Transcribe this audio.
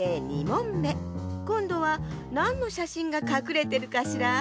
２もんめこんどはなんのしゃしんがかくれてるかしら？